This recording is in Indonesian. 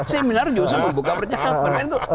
seminar juga bisa membuka percakapan